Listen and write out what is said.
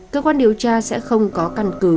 cơ quan điều tra sẽ không có căn cứ